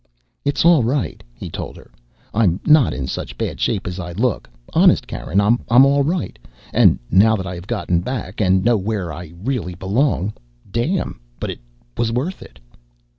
"It's all right," he told her. "I'm not in such bad shape as I look. Honest, Karen, I'm all right. And now that I have gotten back, and know where I really belong damn, but it was worth it!"